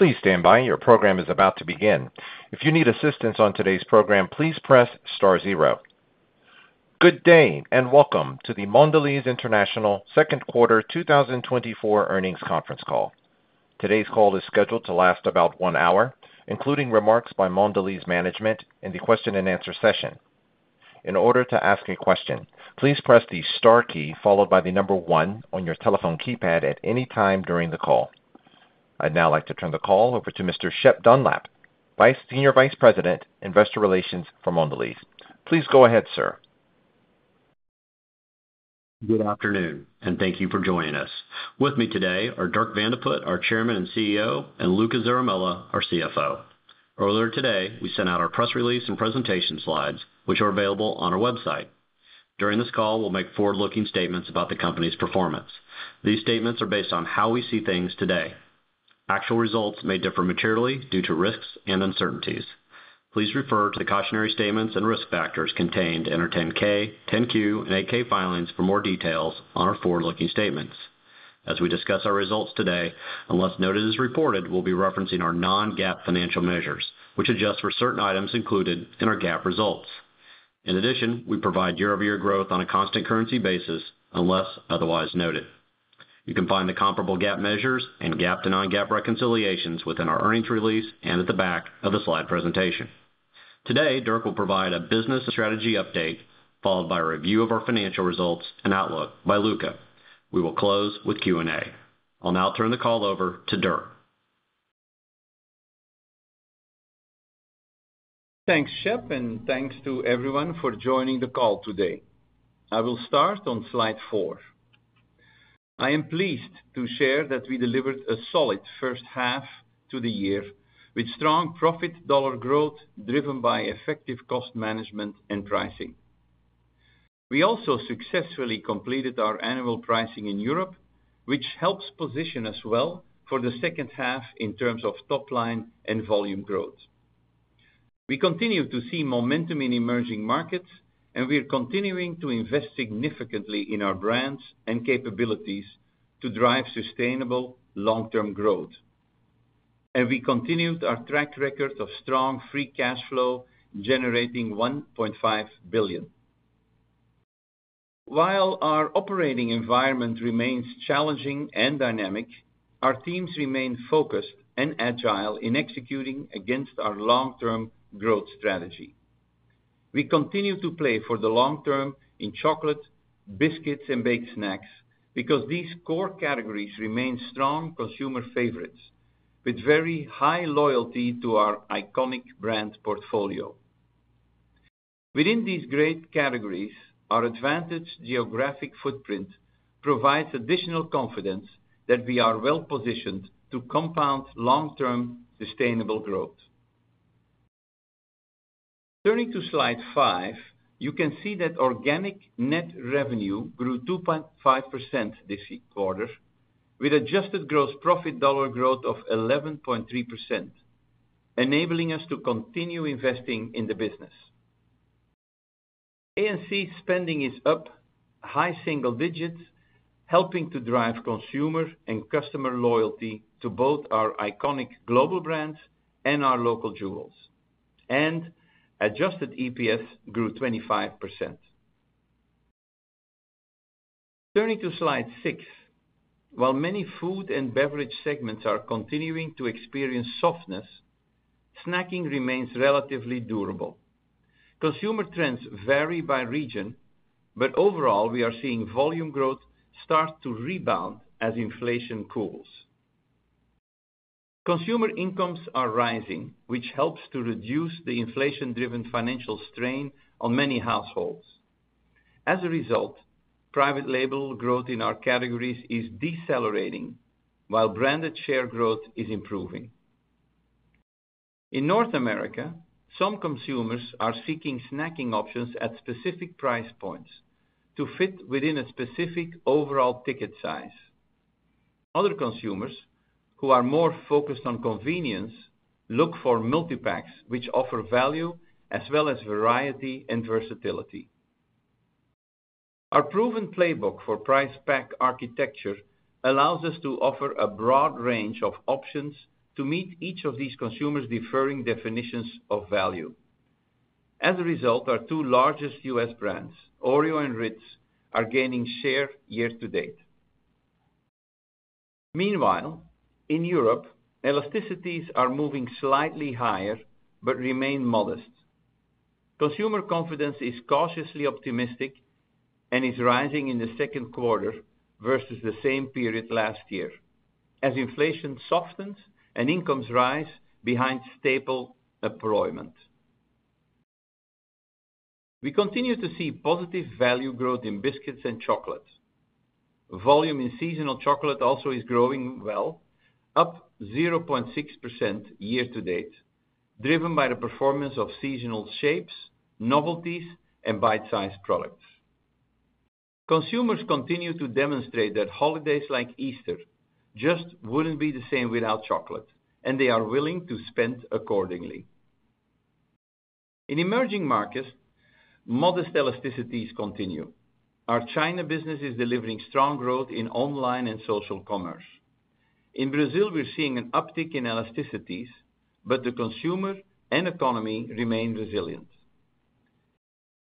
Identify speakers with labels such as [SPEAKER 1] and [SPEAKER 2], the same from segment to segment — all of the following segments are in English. [SPEAKER 1] Please stand by. Your program is about to begin. If you need assistance on today's program, please press star zero. Good day, and welcome to the Mondelēz International Q2 2024 earnings conference call. Today's call is scheduled to last about one hour, including remarks by Mondelēz management and the question and answer session. In order to ask a question, please press the star key, followed by the number one on your telephone keypad at any time during the call. I'd now like to turn the call over to Mr. Shep Dunlap, Senior Vice President, Investor Relations for Mondelēz. Please go ahead, sir.
[SPEAKER 2] Good afternoon, and thank you for joining us. With me today are Dirk Van de Put, our Chairman and CEO, and Luca Zaramella, our CFO. Earlier today, we sent out our press release and presentation slides, which are available on our website. During this call, we'll make forward-looking statements about the company's performance. These statements are based on how we see things today. Actual results may differ materially due to risks and uncertainties. Please refer to the cautionary statements and risk factors contained in our 10-K, 10-Q, and 8-K filings for more details on our forward-looking statements. As we discuss our results today, unless noted as reported, we'll be referencing our non-GAAP financial measures, which adjust for certain items included in our GAAP results. In addition, we provide year-over-year growth on a constant currency basis, unless otherwise noted. You can find the comparable GAAP measures and GAAP to non-GAAP reconciliations within our earnings release and at the back of the slide presentation. Today, Dirk will provide a business and strategy update, followed by a review of our financial results and outlook by Luca. We will close with Q&A. I'll now turn the call over to Dirk.
[SPEAKER 3] Thanks, Shep, and thanks to everyone for joining the call today. I will start on slide 4. I am pleased to share that we delivered a solid H1 to the year, with strong profit dollar growth, driven by effective cost management and pricing. We also successfully completed our annual pricing in Europe, which helps position us well for the H2 in terms of top line and volume growth. We continue to see momentum in emerging markets, and we are continuing to invest significantly in our brands and capabilities to drive sustainable long-term growth. We continued our track record of strong Free Cash Flow, generating $1.5 billion. While our operating environment remains challenging and dynamic, our teams remain focused and agile in executing against our long-term growth strategy. We continue to play for the long term in chocolate, biscuits, and baked snacks, because these core categories remain strong consumer favorites, with very high loyalty to our iconic brand portfolio. Within these great categories, our advantage geographic footprint provides additional confidence that we are well-positioned to compound long-term sustainable growth. Turning to slide 5, you can see that organic net revenue grew 2.5% this quarter, with adjusted gross profit dollar growth of 11.3%, enabling us to continue investing in the business. A&C spending is up high single digits, helping to drive consumer and customer loyalty to both our iconic global brands and our local jewels. Adjusted EPS grew 25%. Turning to slide 6. While many food and beverage segments are continuing to experience softness, snacking remains relatively durable. Consumer trends vary by region, but overall, we are seeing volume growth start to rebound as inflation cools. Consumer incomes are rising, which helps to reduce the inflation-driven financial strain on many households. As a result, private label growth in our categories is decelerating, while branded share growth is improving. In North America, some consumers are seeking snacking options at specific price points to fit within a specific overall ticket size. Other consumers, who are more focused on convenience, look for multi-packs, which offer value as well as variety and versatility. Our proven playbook for price pack architecture allows us to offer a broad range of options to meet each of these consumers' differing definitions of value. As a result, our two largest U.S. brands, Oreo and Ritz, are gaining share year to date. Meanwhile, in Europe, elasticities are moving slightly higher but remain modest. Consumer confidence is cautiously optimistic and is rising in the Q2 versus the same period last year, as inflation softens and incomes rise behind stable employment. We continue to see positive value growth in biscuits and chocolate. Volume in seasonal chocolate also is growing well, up 0.6% year to date, driven by the performance of seasonal shapes, novelties, and bite-sized products. Consumers continue to demonstrate that holidays like Easter just wouldn't be the same without chocolate, and they are willing to spend accordingly... In emerging markets, modest elasticities continue. Our China business is delivering strong growth in online and social commerce. In Brazil, we're seeing an uptick in elasticities, but the consumer and economy remain resilient.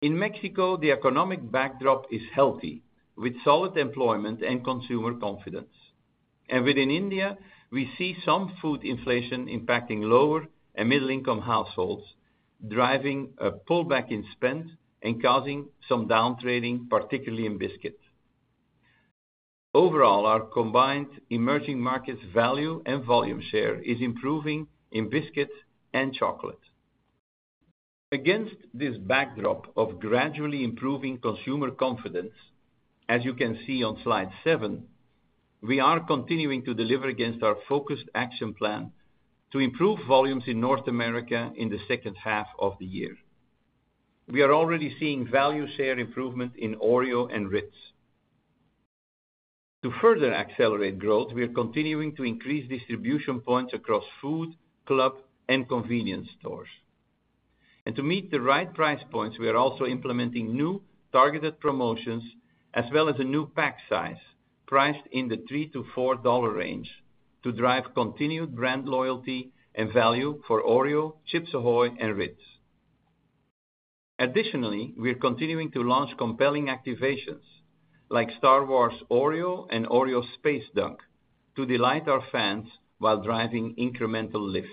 [SPEAKER 3] In Mexico, the economic backdrop is healthy, with solid employment and consumer confidence. Within India, we see some food inflation impacting lower and middle-income households, driving a pullback in spend and causing some downtrading, particularly in biscuits. Overall, our combined emerging markets value and volume share is improving in biscuits and chocolate. Against this backdrop of gradually improving consumer confidence, as you can see on slide 7, we are continuing to deliver against our focused action plan to improve volumes in North America in the H2 of the year. We are already seeing value share improvement in Oreo and Ritz. To further accelerate growth, we are continuing to increase distribution points across food, club, and convenience stores. To meet the right price points, we are also implementing new targeted promotions, as well as a new pack size, priced in the $3-$4 range, to drive continued brand loyalty and value for Oreo, Chips Ahoy! and Ritz. Additionally, we are continuing to launch compelling activations, like Star Wars Oreo and Oreo Space Dunk, to delight our fans while driving incremental lift.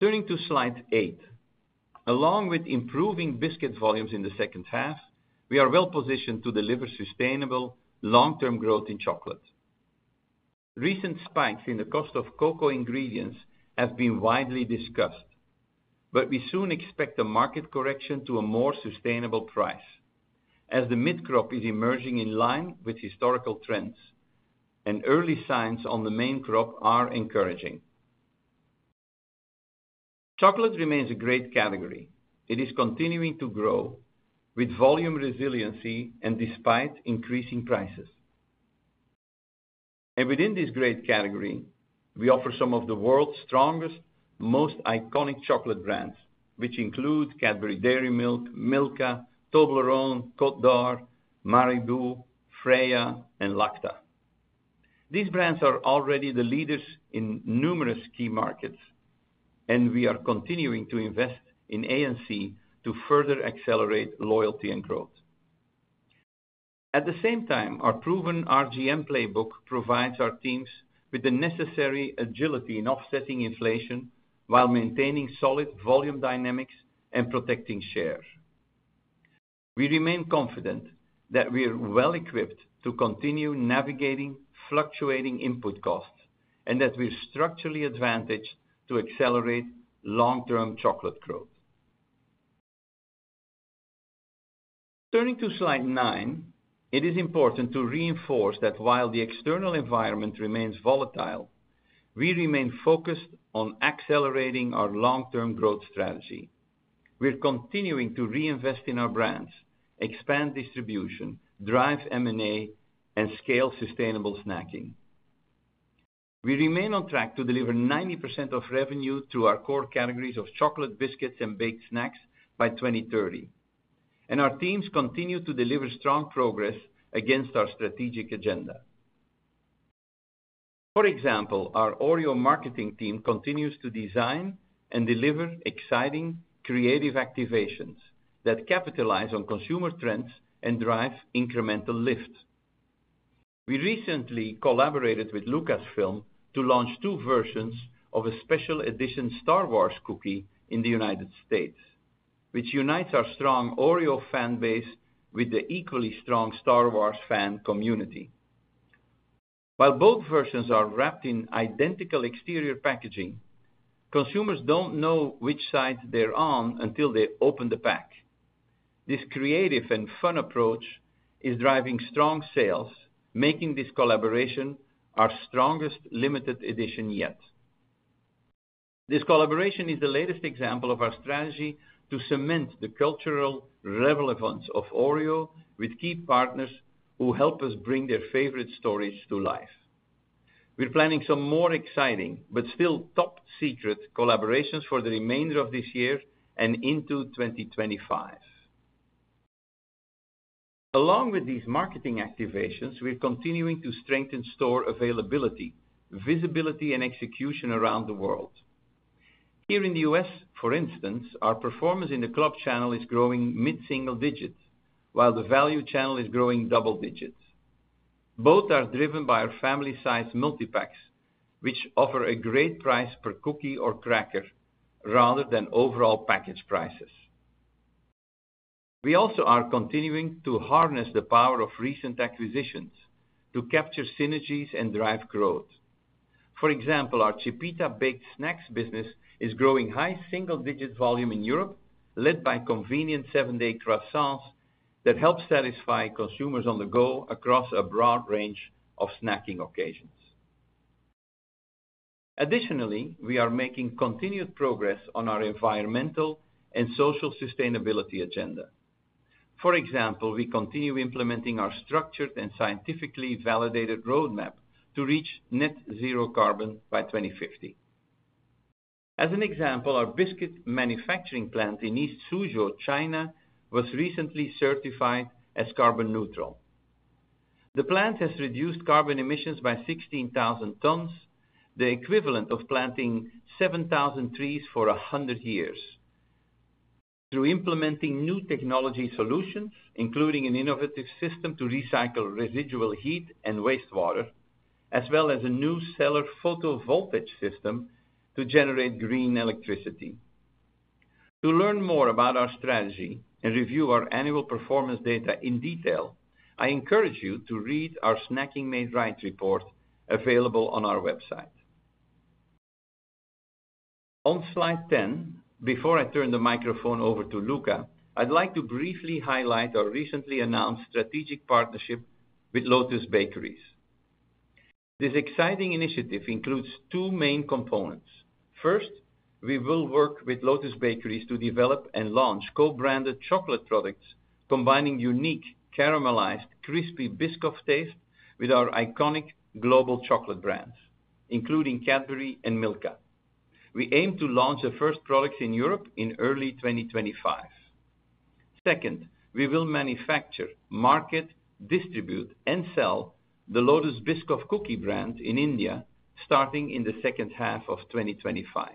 [SPEAKER 3] Turning to slide 8. Along with improving biscuit volumes in the H2, we are well positioned to deliver sustainable, long-term growth in chocolate. Recent spikes in the cost of cocoa ingredients have been widely discussed, but we soon expect a market correction to a more sustainable price, as the mid-crop is emerging in line with historical trends, and early signs on the main crop are encouraging. Chocolate remains a great category. It is continuing to grow with volume resiliency and despite increasing prices. Within this great category, we offer some of the world's strongest, most iconic chocolate brands, which include Cadbury Dairy Milk, Milka, Toblerone, Côte d'Or, Marabou, Freia, and Lacta. These brands are already the leaders in numerous key markets, and we are continuing to invest in A&C to further accelerate loyalty and growth. At the same time, our proven RGM playbook provides our teams with the necessary agility in offsetting inflation while maintaining solid volume dynamics and protecting share. We remain confident that we are well equipped to continue navigating fluctuating input costs and that we're structurally advantaged to accelerate long-term chocolate growth. Turning to slide 9, it is important to reinforce that while the external environment remains volatile, we remain focused on accelerating our long-term growth strategy. We're continuing to reinvest in our brands, expand distribution, drive M&A, and scale sustainable snacking. We remain on track to deliver 90% of revenue through our core categories of chocolate, biscuits, and baked snacks by 2030, and our teams continue to deliver strong progress against our strategic agenda. For example, our Oreo marketing team continues to design and deliver exciting, creative activations that capitalize on consumer trends and drive incremental lift. We recently collaborated with Lucasfilm to launch two versions of a special edition Star Wars cookie in the United States, which unites our strong Oreo fan base with the equally strong Star Wars fan community. While both versions are wrapped in identical exterior packaging, consumers don't know which side they're on until they open the pack. This creative and fun approach is driving strong sales, making this collaboration our strongest limited edition yet. This collaboration is the latest example of our strategy to cement the cultural relevance of Oreo with key partners who help us bring their favorite stories to life. We're planning some more exciting, but still top secret, collaborations for the remainder of this year and into 2025. Along with these marketing activations, we're continuing to strengthen store availability, visibility, and execution around the world. Here in the U.S., for instance, our performance in the club channel is growing mid-single digits, while the value channel is growing double digits. Both are driven by our family-sized multipacks, which offer a great price per cookie or cracker rather than overall package prices. We also are continuing to harness the power of recent acquisitions to capture synergies and drive growth. For example, our Chipita Baked Snacks business is growing high single-digit volume in Europe, led by convenient 7Days croissants that help satisfy consumers on the go across a broad range of snacking occasions. Additionally, we are making continued progress on our environmental and social sustainability agenda. For example, we continue implementing our structured and scientifically validated roadmap to reach net zero carbon by 2050. As an example, our biscuit manufacturing plant in East Suzhou, China, was recently certified as carbon neutral. The plant has reduced carbon emissions by 16,000 tons, the equivalent of planting 7,000 trees for 100 years. Through implementing new technology solutions, including an innovative system to recycle residual heat and wastewater, as well as a new solar photovoltaic system to generate green electricity. To learn more about our strategy and review our annual performance data in detail, I encourage you to read our Snacking Made Right report, available on our website. On slide 10, before I turn the microphone over to Luca, I'd like to briefly highlight our recently announced strategic partnership with Lotus Bakeries. This exciting initiative includes two main components. First, we will work with Lotus Bakeries to develop and launch co-branded chocolate products, combining unique, caramelized, crispy Biscoff taste with our iconic global chocolate brands, including Cadbury and Milka. We aim to launch the first products in Europe in early 2025. Second, we will manufacture, market, distribute, and sell the Lotus Biscoff cookie brand in India, starting in the second half of 2025.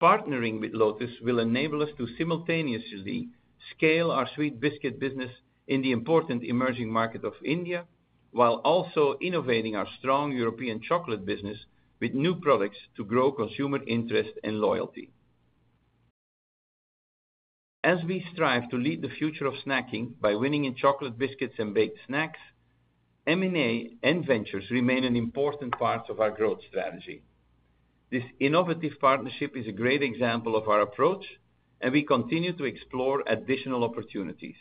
[SPEAKER 3] Partnering with Lotus will enable us to simultaneously scale our sweet biscuit business in the important emerging market of India, while also innovating our strong European chocolate business with new products to grow consumer interest and loyalty. As we strive to lead the future of snacking by winning in chocolate, biscuits, and baked snacks, M&A and ventures remain an important part of our growth strategy. This innovative partnership is a great example of our approach, and we continue to explore additional opportunities.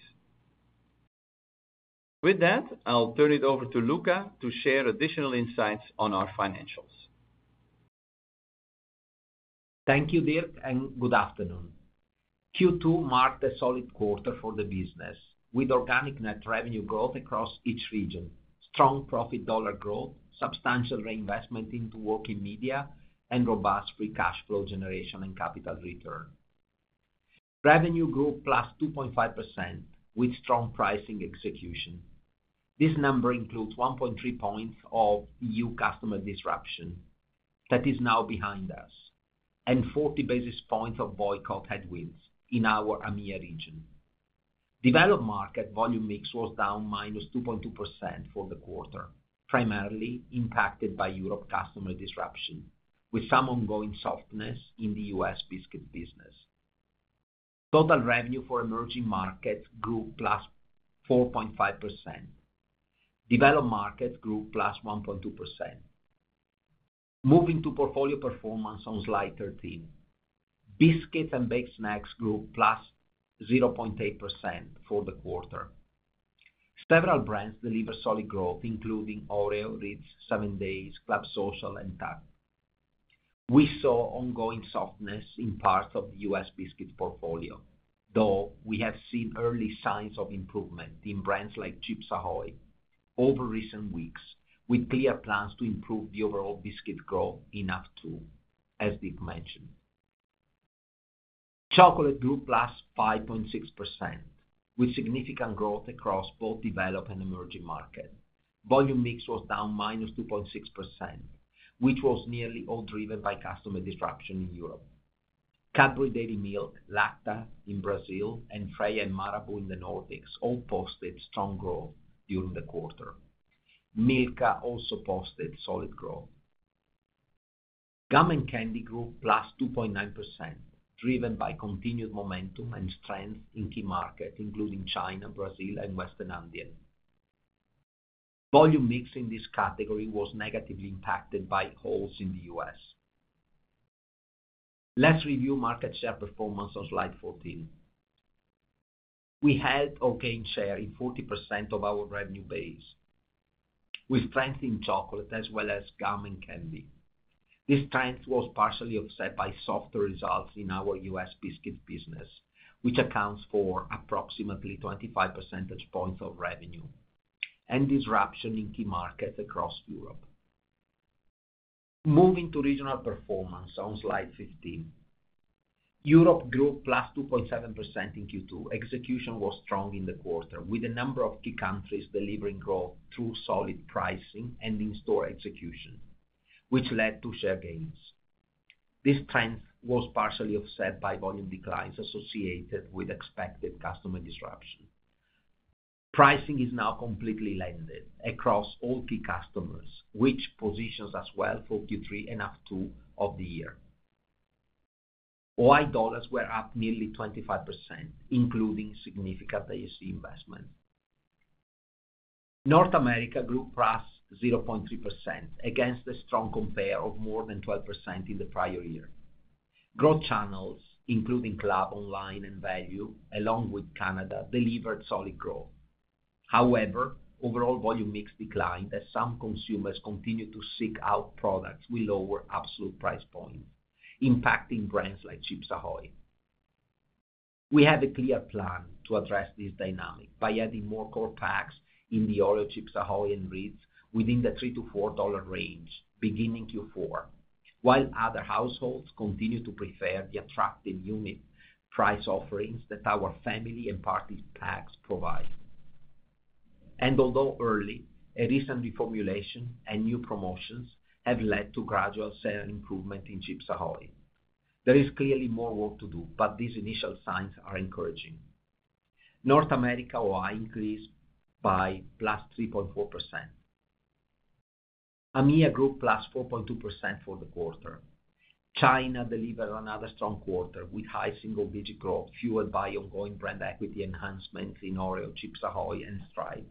[SPEAKER 3] With that, I'll turn it over to Luca to share additional insights on our financials.
[SPEAKER 4] Thank you, Dirk, and good afternoon. Q2 marked a solid quarter for the business, with organic net revenue growth across each region, strong profit dollar growth, substantial reinvestment into working media, and robust Free Cash Flow generation and capital return. Revenue grew +2.5%, with strong pricing execution. This number includes 1.3 points of EU customer disruption that is now behind us, and 40 basis points of boycott headwinds in our EMEA region. Developed market volume mix was down -2.2% for the quarter, primarily impacted by Europe customer disruption, with some ongoing softness in the U.S. biscuit business. Total revenue for emerging markets grew +4.5%. Developed markets grew +1.2%. Moving to portfolio performance on slide 13. Biscuits and baked snacks grew +0.8% for the quarter. Several brands delivered solid growth, including Oreo, Ritz, 7Days, Club Social, and TUC. We saw ongoing softness in parts of the U.S. biscuits portfolio, though we have seen early signs of improvement in brands like Chips Ahoy! over recent weeks, with clear plans to improve the overall biscuit growth in H2, as Dirk mentioned. Chocolate grew +5.6%, with significant growth across both developed and emerging markets. Volume mix was down -2.6%, which was nearly all driven by customer disruption in Europe. Cadbury Dairy Milk, Lacta in Brazil, and Freia and Marabou in the Nordics all posted strong growth during the quarter. Milka also posted solid growth. Gum and candy grew +2.9%, driven by continued momentum and strength in key markets, including China, Brazil, and Western Andean. Volume mix in this category was negatively impacted by Halls in the U.S. Let's review market share performance on slide 14. We gained share in 40% of our revenue base, with strength in chocolate as well as gum and candy. This strength was partially offset by softer results in our U.S. biscuit business, which accounts for approximately 25 percentage points of revenue and disruption in key markets across Europe. Moving to regional performance on slide 15. Europe grew +2.7% in Q2. Execution was strong in the quarter, with a number of key countries delivering growth through solid pricing and in-store execution, which led to share gains. This strength was partially offset by volume declines associated with expected customer disruption. Pricing is now completely landed across all key customers, which positions us well for Q3 and H2 of the year. OI dollars were up nearly 25%, including significant ABC investment. North America grew +0.3% against a strong compare of more than 12% in the prior year. Growth channels, including club, online, and value, along with Canada, delivered solid growth.... However, overall volume mix declined as some consumers continued to seek out products with lower absolute price points, impacting brands like Chips Ahoy! We have a clear plan to address this dynamic by adding more core packs in the Oreo, Chips Ahoy!, and Ritz within the $3-$4 range, beginning Q4. While other households continue to prefer the attractive unit price offerings that our family and party packs provide. And although early, a recent reformulation and new promotions have led to gradual sales improvement in Chips Ahoy! There is clearly more work to do, but these initial signs are encouraging. North America OI increased by +3.4%. EMEA grew +4.2% for the quarter. China delivered another strong quarter, with high single-digit growth, fueled by ongoing brand equity enhancement in Oreo, Chips Ahoy!, and Stride,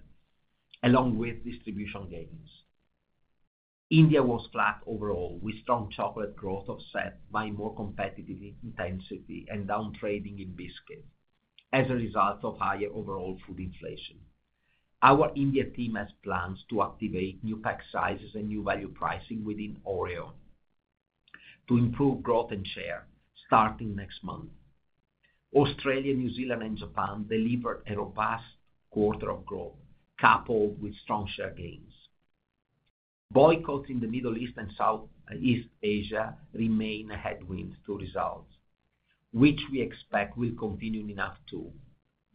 [SPEAKER 4] along with distribution gains. India was flat overall, with strong chocolate growth offset by more competitive intensity and down trading in biscuit as a result of higher overall food inflation. Our India team has plans to activate new pack sizes and new value pricing within Oreo to improve growth and share starting next month. Australia, New Zealand, and Japan delivered a robust quarter of growth, coupled with strong share gains. Boycotts in the Middle East and South East Asia remain a headwind to results, which we expect will continue in half two,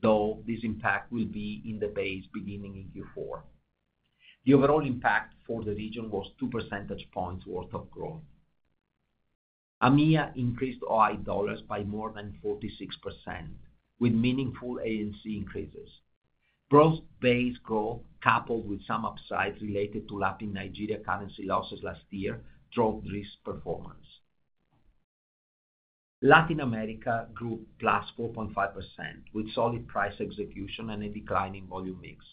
[SPEAKER 4] though this impact will be in the base beginning in Q4. The overall impact for the region was two percentage points worth of growth. EMEA increased OI dollars by more than 46%, with meaningful ANC increases. Growth base growth, coupled with some upside related to lapping Nigeria currency losses last year, drove this performance. Latin America grew +4.5%, with solid price execution and a decline in volume mix.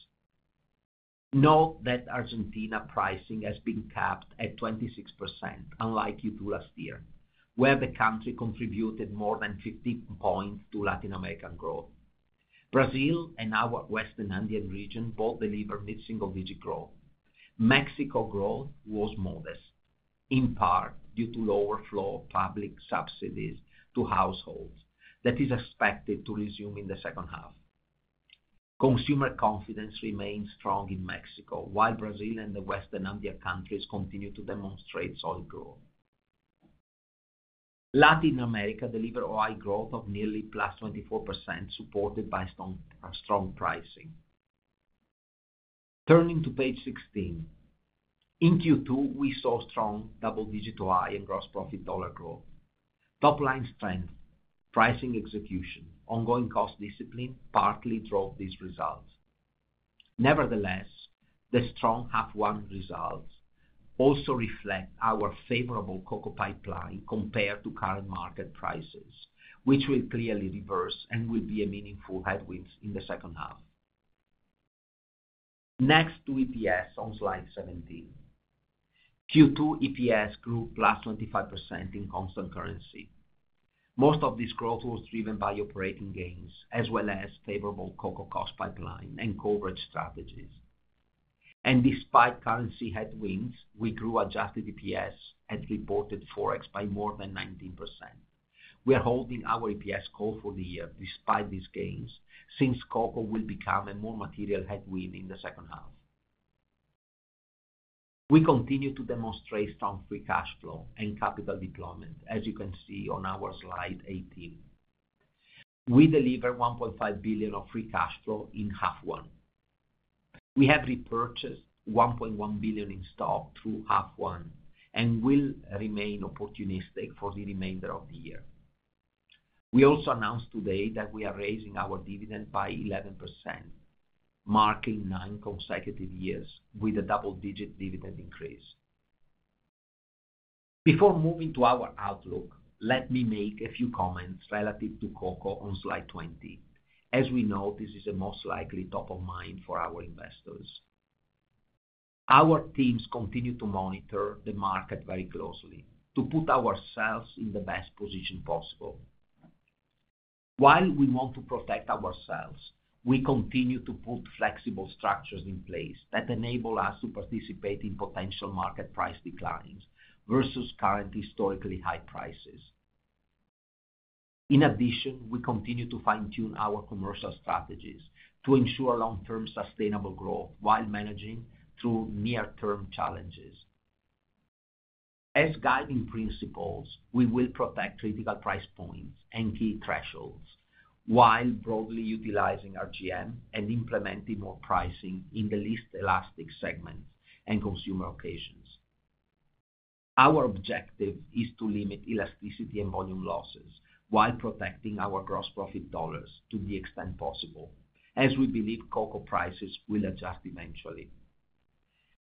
[SPEAKER 4] Note that Argentina pricing has been capped at 26%, unlike Q2 last year, where the country contributed more than 50 points to Latin American growth. Brazil and our Western Andean region both delivered mid-single-digit growth. Mexico growth was modest, in part due to lower flow of public subsidies to households that is expected to resume in the H2. Consumer confidence remains strong in Mexico, while Brazil and the Western Andean countries continue to demonstrate solid growth. Latin America delivered OI growth of nearly +24%, supported by strong, strong pricing. Turning to page 16. In Q2, we saw strong double-digit OI and gross profit dollar growth. Top line strength, pricing execution, ongoing cost discipline, partly drove these results. Nevertheless, the strong half one results also reflect our favorable cocoa pipeline compared to current market prices, which will clearly reverse and will be a meaningful headwind in the H2. Next to EPS on slide 17. Q2 EPS grew +25% in constant currency. Most of this growth was driven by operating gains, as well as favorable cocoa cost pipeline and coverage strategies. And despite currency headwinds, we grew adjusted EPS at reported Forex by more than 19%. We are holding our EPS call for the year despite these gains, since cocoa will become a more material headwind in the H2. We continue to demonstrate strong Free Cash Flow and capital deployment, as you can see on our slide 18. We delivered $1.5 billion of Free Cash Flow in the H1. We have repurchased $1.1 billion in stock through the H1, and will remain opportunistic for the remainder of the year. We also announced today that we are raising our dividend by 11%, marking nine consecutive years with a double-digit dividend increase. Before moving to our outlook, let me make a few comments relative to cocoa on slide 20. As we know, this is most top of mind for our investors. Our teams continue to monitor the market very closely to put ourselves in the best position possible. While we want to protect ourselves, we continue to put flexible structures in place that enable us to participate in potential market price declines versus current historically high prices. In addition, we continue to fine-tune our commercial strategies to ensure long-term sustainable growth while managing through near-term challenges. As guiding principles, we will protect critical price points and key thresholds while broadly utilizing RGM and implementing more pricing in the least elastic segments and consumer occasions. Our objective is to limit elasticity and volume losses while protecting our gross profit dollars to the extent possible, as we believe cocoa prices will adjust eventually.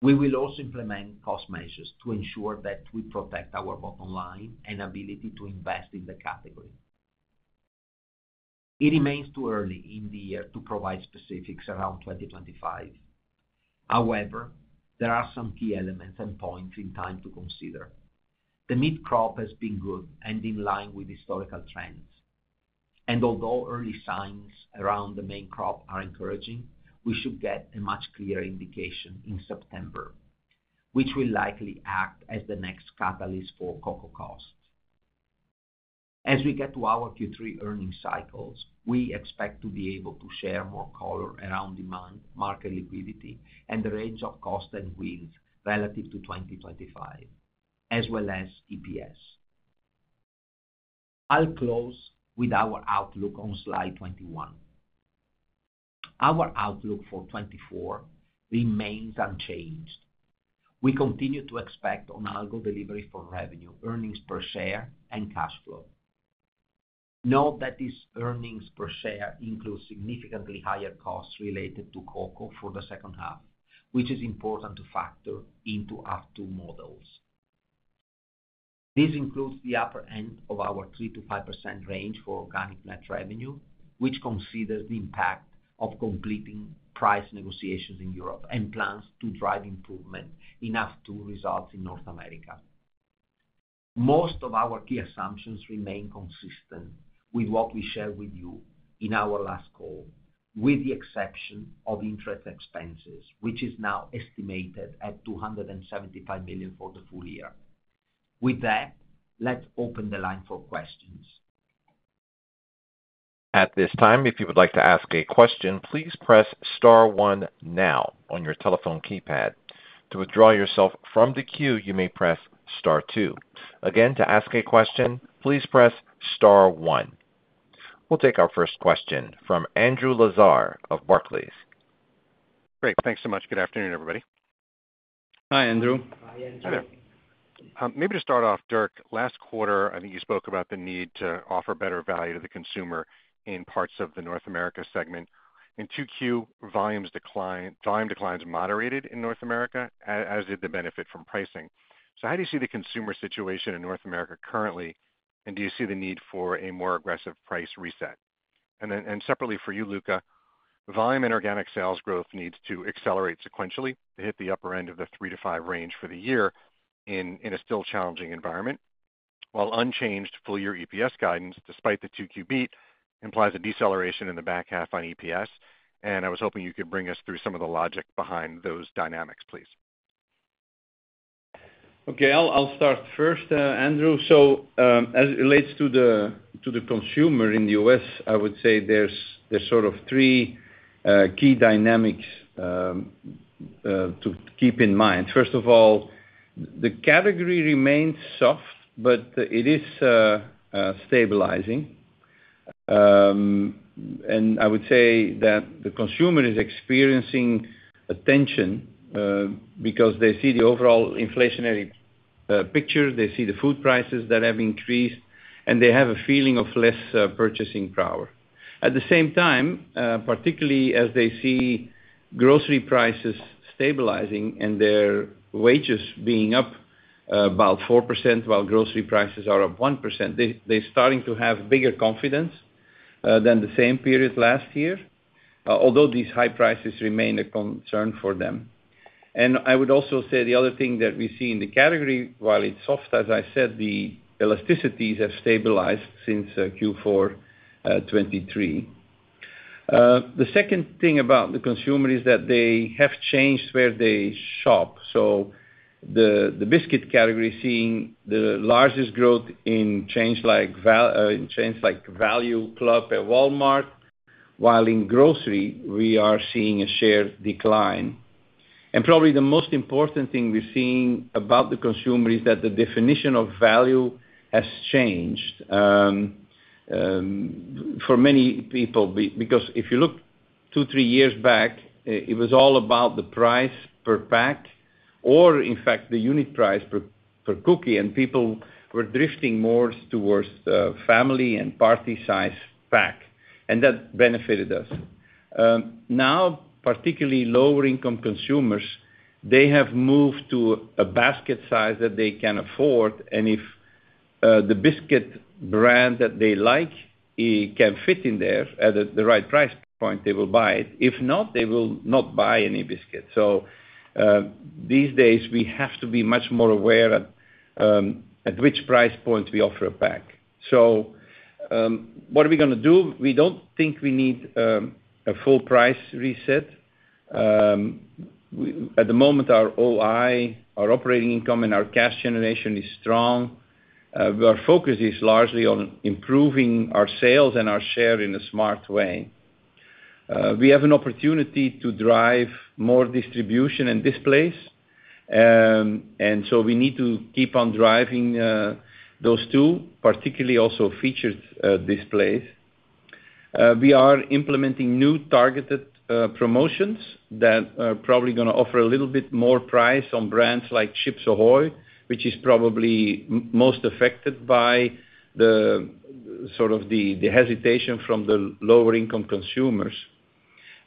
[SPEAKER 4] We will also implement cost measures to ensure that we protect our bottom line and ability to invest in the category. It remains too early in the year to provide specifics around 2025. However, there are some key elements and points in time to consider. The mid-crop has been good and in line with historical trends. Although early signs around the main crop are encouraging, we should get a much clearer indication in September, which will likely act as the next catalyst for cocoa costs. As we get to our Q3 earnings cycles, we expect to be able to share more color around demand, market liquidity, and the range of cost and wins relative to 2025, as well as EPS. I'll close with our outlook on slide 21. Our outlook for 2024 remains unchanged. We continue to expect organic delivery for revenue, earnings per share, and cash flow. Note that this earnings per share includes significantly higher costs related to cocoa for the H2, which is important to factor into your models. This includes the upper end of our 3%-5% range for organic net revenue, which considers the impact of completing price negotiations in Europe and plans to drive improvement in half two results in North America. Most of our key assumptions remain consistent with what we shared with you in our last call, with the exception of interest expenses, which is now estimated at $275 million for the full year. With that, let's open the line for questions.
[SPEAKER 1] At this time, if you would like to ask a question, please press star one now on your telephone keypad. To withdraw yourself from the queue, you may press star two. Again, to ask a question, please press star one. We'll take our first question from Andrew Lazar of Barclays.
[SPEAKER 5] Great. Thanks so much. Good afternoon, everybody.
[SPEAKER 4] Hi, Andrew.
[SPEAKER 3] Hi, Andrew.
[SPEAKER 5] Hi, there. Maybe to start off, Dirk, last quarter, I think you spoke about the need to offer better value to the consumer in parts of the North America segment. In 2Q, volume declines moderated in North America, as did the benefit from pricing. So how do you see the consumer situation in North America currently, and do you see the need for a more aggressive price reset? And then, and separately for you, Luca, volume and organic sales growth needs to accelerate sequentially to hit the upper end of the 3-5 range for the year in a still challenging environment, while unchanged full-year EPS guidance, despite the 2Q beat, implies a deceleration in the back half on EPS. And I was hoping you could bring us through some of the logic behind those dynamics, please.
[SPEAKER 3] Okay, I'll start first, Andrew. So, as it relates to the consumer in the U.S., I would say there's sort of three key dynamics to keep in mind. First of all, the category remains soft, but it is stabilizing. And I would say that the consumer is experiencing a tension because they see the overall inflationary picture, they see the food prices that have increased, and they have a feeling of less purchasing power. At the same time, particularly as they see grocery prices stabilizing and their wages being up about 4%, while grocery prices are up 1%, they're starting to have bigger confidence than the same period last year, although these high prices remain a concern for them. I would also say the other thing that we see in the category, while it's soft, as I said, the elasticities have stabilized since Q4 2023. The second thing about the consumer is that they have changed where they shop. The biscuit category is seeing the largest growth in chains like Value, Club at Walmart, while in grocery, we are seeing a share decline. Probably the most important thing we're seeing about the consumer is that the definition of value has changed for many people. Because if you look two, three years back, it was all about the price per pack, or in fact, the unit price per cookie, and people were drifting more towards family and party-size pack, and that benefited us. Now, particularly lower-income consumers, they have moved to a basket size that they can afford, and if the biscuit brand that they like can fit in there at the right price point, they will buy it. If not, they will not buy any biscuits. So, these days, we have to be much more aware at which price point we offer a pack. So, what are we gonna do? We don't think we need a full price reset. At the moment, our OI, our operating income, and our cash generation is strong. Our focus is largely on improving our sales and our share in a smart way. We have an opportunity to drive more distribution and displays, and so we need to keep on driving those two, particularly also featured displays. We are implementing new targeted promotions that are probably gonna offer a little bit more price on brands like Chips Ahoy!, which is probably most affected by the hesitation from the lower-income consumers.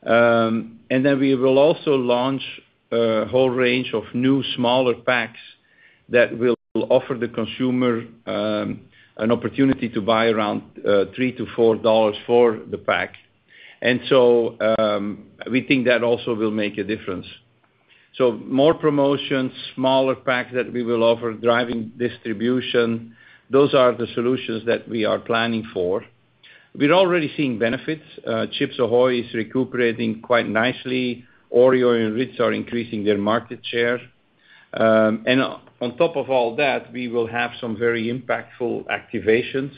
[SPEAKER 3] And then we will also launch a whole range of new, smaller packs that will offer the consumer an opportunity to buy around $3-$4 for the pack. And so we think that also will make a difference. So more promotions, smaller packs that we will offer, driving distribution, those are the solutions that we are planning for. We're already seeing benefits. Chips Ahoy! is recuperating quite nicely. Oreo and Ritz are increasing their market share. And on top of all that, we will have some very impactful activations.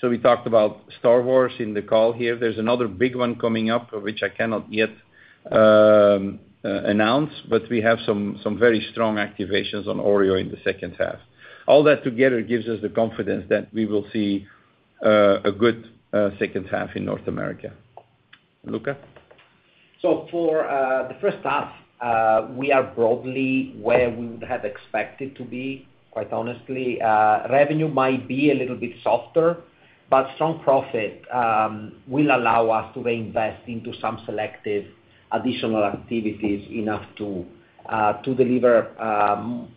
[SPEAKER 3] So we talked about Star Wars in the call here. There's another big one coming up, which I cannot yet announce, but we have some very strong activations on Oreo in the H2. All that together gives us the confidence that we will see a good H2 in North America. Luca?
[SPEAKER 4] For the first half, we are broadly where we would have expected to be, quite honestly. Revenue might be a little bit softer, but strong profit will allow us to reinvest into some selective additional activities enough to deliver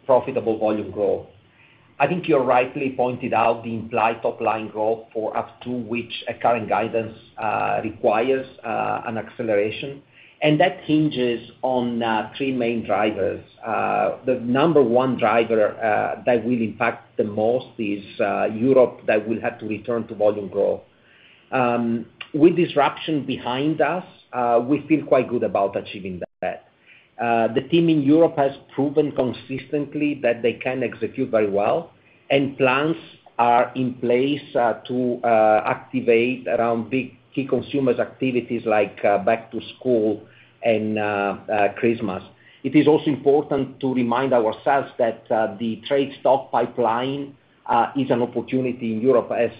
[SPEAKER 4] profitable volume growth. I think you rightly pointed out the implied top-line growth for up to which a current guidance requires an acceleration, and that hinges on three main drivers. The number one driver that will impact the most is Europe, that will have to return to volume growth. With disruption behind us, we feel quite good about achieving that. The team in Europe has proven consistently that they can execute very well, and plans are in place to activate around big key consumer activities like back to school and Christmas. It is also important to remind ourselves that the trade stock pipeline is an opportunity in Europe as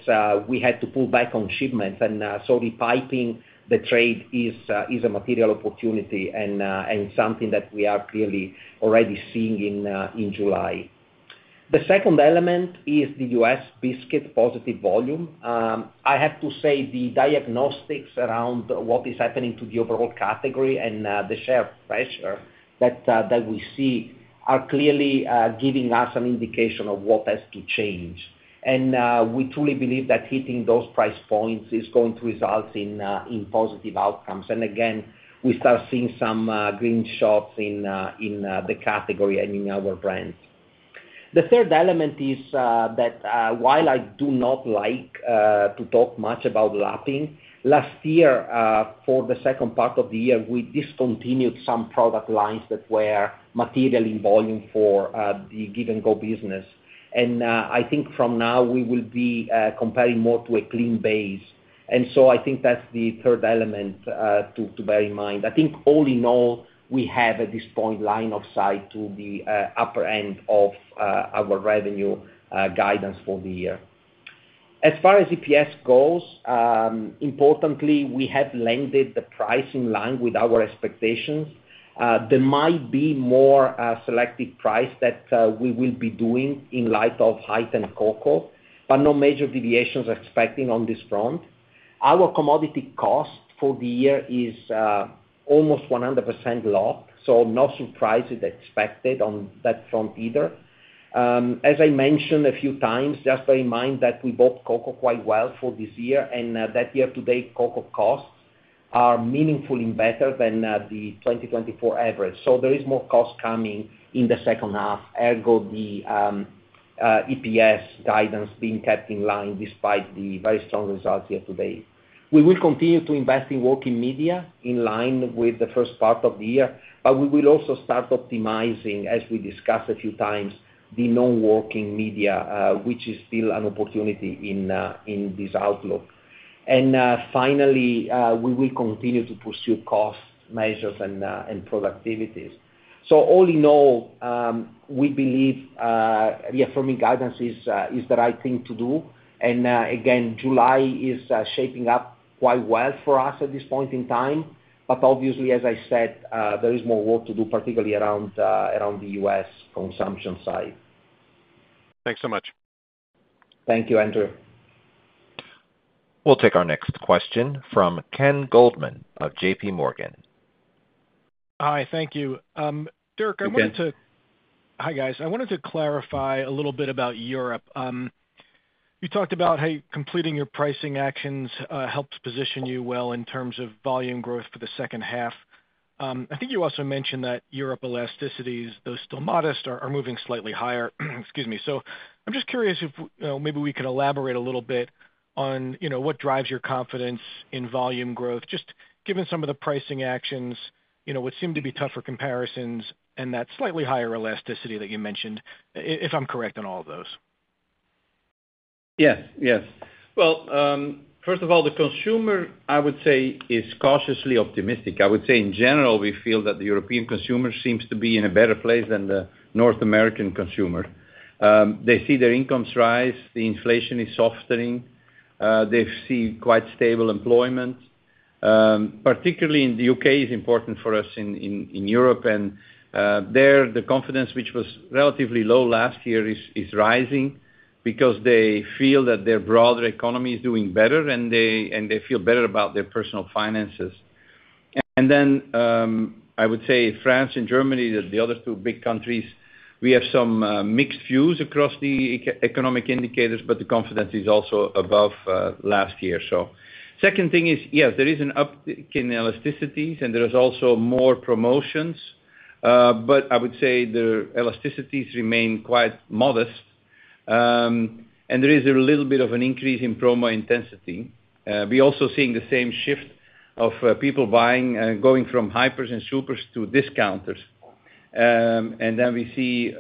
[SPEAKER 4] we had to pull back on shipments, and so repiping the trade is a material opportunity and something that we are clearly already seeing in July. The second element is the U.S. biscuit positive volume. I have to say, the diagnostics around what is happening to the overall category and the share pressure that we see are clearly giving us an indication of what has to change. And, we truly believe that hitting those price points is going to result in in positive outcomes. And again, we start seeing some green shoots in in the category and in our brands. The third element is that while I do not like to talk much about laggards, last year, for the second part of the year, we discontinued some product lines that were material in volume for the Give & Go business. And I think from now we will be comparing more to a clean base. And so I think that's the third element to bear in mind. I think all in all, we have, at this point, line of sight to the upper end of our revenue guidance for the year. As far as EPS goes, importantly, we have landed the price in line with our expectations. There might be more selective price that we will be doing in light of heightened cocoa, but no major deviations expecting on this front. Our commodity cost for the year is almost 100% locked, so no surprises expected on that front either. As I mentioned a few times, just bear in mind that we bought cocoa quite well for this year, and that year-to-date, cocoa costs are meaningfully better than the 2024 average. So there is more cost coming in the H2, ergo, the EPS guidance being kept in line despite the very strong results year to date. We will continue to invest in working media in line with the first part of the year, but we will also start optimizing, as we discussed a few times, the non-working media, which is still an opportunity in this outlook. And finally, we will continue to pursue cost measures and productivities. So all in all, we believe reaffirming guidance is the right thing to do. And again, July is shaping up quite well for us at this point in time. But obviously, as I said, there is more work to do, particularly around the U.S. consumption side.
[SPEAKER 6] Thanks so much.
[SPEAKER 4] Thank you, Andrew.
[SPEAKER 1] We'll take our next question from Ken Goldman of JPMorgan.
[SPEAKER 5] Hi, thank you. Dirk, I wanted to-
[SPEAKER 3] Hi, Ken.
[SPEAKER 5] Hi, guys. I wanted to clarify a little bit about Europe. You talked about how completing your pricing actions helped position you well in terms of volume growth for the H2. I think you also mentioned that Europe elasticities, though still modest, are moving slightly higher. Excuse me. So I'm just curious if maybe we could elaborate a little bit on, you know, what drives your confidence in volume growth, just given some of the pricing actions, you know, what seemed to be tougher comparisons and that slightly higher elasticity that you mentioned, if I'm correct on all of those?
[SPEAKER 3] Yes, yes. Well, first of all, the consumer, I would say, is cautiously optimistic. I would say in general, we feel that the European consumer seems to be in a better place than the North American consumer. They see their incomes rise, the inflation is softening, they see quite stable employment. Particularly in the UK is important for us in Europe, and there, the confidence, which was relatively low last year, is rising because they feel that their broader economy is doing better, and they feel better about their personal finances. And then, I would say France and Germany, the other two big countries, we have some mixed views across the economic indicators, but the confidence is also above last year, so. Second thing is, yes, there is an uptick in elasticities, and there is also more promotions. But I would say the elasticities remain quite modest. And there is a little bit of an increase in promo intensity. We're also seeing the same shift of people buying, going from hypers and supers to discounters. And then we see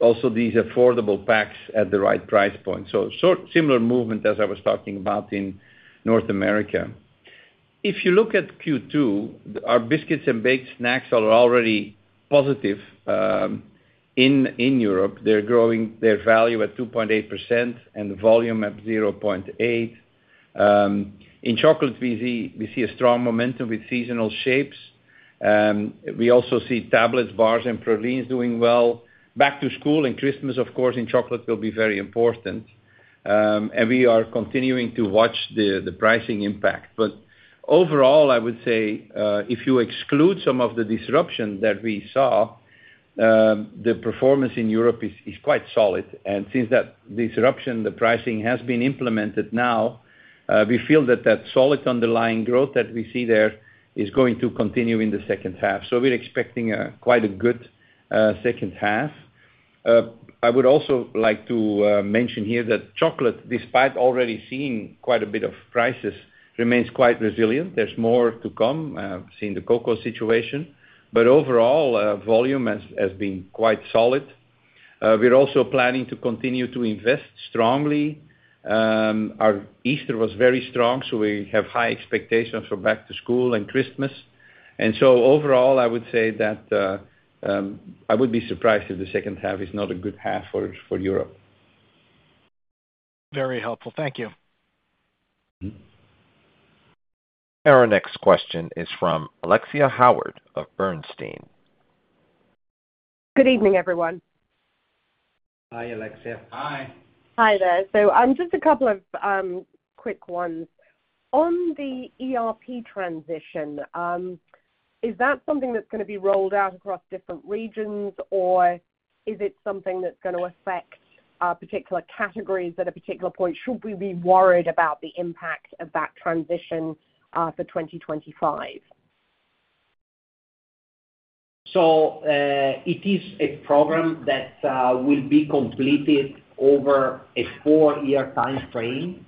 [SPEAKER 3] also these affordable packs at the right price point. So similar movement as I was talking about in North America. If you look at Q2, our biscuits and baked snacks are already positive in Europe. They're growing their value at 2.8% and the volume at 0.8. In chocolate, we see a strong momentum with seasonal shapes. We also see tablets, bars and pralines doing well. Back to school and Christmas, of course, in chocolate will be very important. And we are continuing to watch the pricing impact. But overall, I would say, if you exclude some of the disruption that we saw, the performance in Europe is quite solid. And since that disruption, the pricing has been implemented now, we feel that that solid underlying growth that we see there is going to continue in the H2. So we're expecting quite a good H2. I would also like to mention here that chocolate, despite already seeing quite a bit of crisis, remains quite resilient. There's more to come, seeing the cocoa situation. But overall, volume has been quite solid. We're also planning to continue to invest strongly. Our Easter was very strong, so we have high expectations for back to school and Christmas. And so overall, I would say that, I would be surprised if the H2 is not a good half for Europe.
[SPEAKER 5] Very helpful. Thank you.
[SPEAKER 1] Our next question is from Alexia Howard of Bernstein.
[SPEAKER 5] Good evening, everyone.
[SPEAKER 3] Hi, Alexia.
[SPEAKER 4] Hi.
[SPEAKER 5] Hi there. Just a couple of quick ones. On the ERP transition, is that something that's gonna be rolled out across different regions, or is it something that's gonna affect particular categories at a particular point? Should we be worried about the impact of that transition for 2025?
[SPEAKER 4] It is a program that will be completed over a 4-year time frame.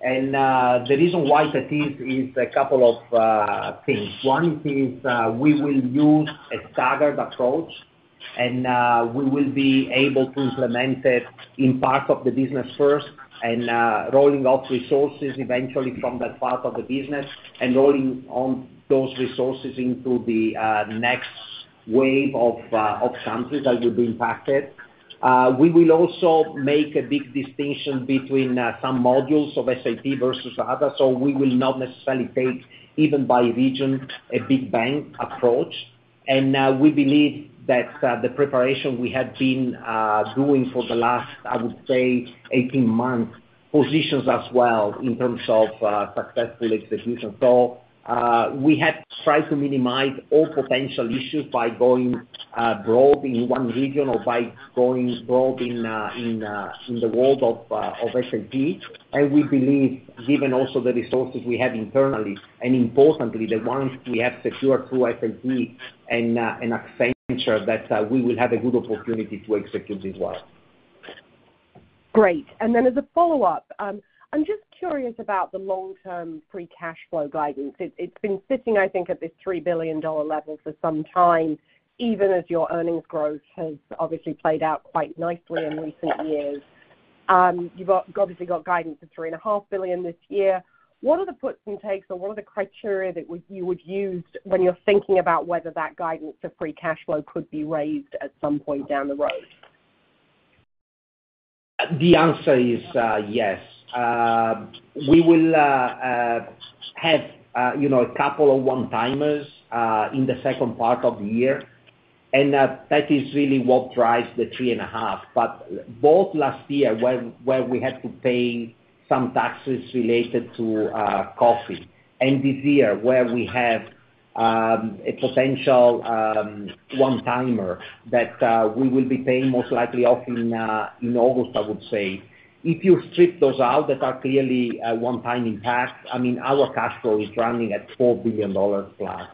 [SPEAKER 4] The reason why that is, is a couple of things. One is, we will use a staggered approach, and we will be able to implement it in part of the business first, and rolling out resources eventually from that part of the business, and rolling on those resources into the next wave of countries that will be impacted. We will also make a big distinction between some modules of SAP versus others. So we will not necessarily take, even by region, a big bang approach. We believe that the preparation we have been doing for the last, I would say, 18 months, positions us well in terms of successful execution. So, we have tried to minimize all potential issues by going broad in one region or by going broad in the world of SAP. And we believe, given also the resources we have internally, and importantly, the ones we have secured through SAP and Accenture, that we will have a good opportunity to execute this well.
[SPEAKER 5] Great. And then as a follow-up, I'm just curious about the long-term Free Cash Flow guidance. It, it's been sitting, I think, at this $3 billion level for some time, even as your earnings growth has obviously played out quite nicely in recent years. You've obviously got guidance of $3.5 billion this year. What are the puts and takes, or what are the criteria that would you would use when you're thinking about whether that guidance for Free Cash Flow could be raised at some point down the road?
[SPEAKER 4] The answer is, yes. We will have, you know, a couple of one-timers in the second part of the year, and that is really what drives the 3.5. But both last year, where we had to pay some taxes related to coffee, and this year, where we have a potential one-timer that we will be paying most likely off in in August, I would say. If you strip those out, that are clearly a one-time impact, I mean, our cash flow is running at $4 billion flat.